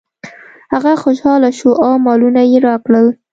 هغه خوشحاله شو او مالونه یې راکړل.